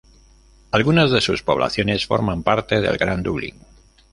Algunas de sus poblaciones forman parte del Gran Dublín.